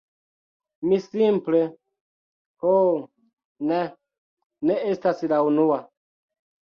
Mi simple... ho, ne, ne estas la unua.